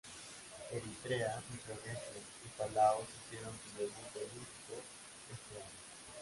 Eritrea, Micronesia y Palaos hicieron su debut olímpico este año.